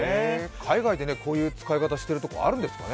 海外でこういう使い方しているところあるんですかね？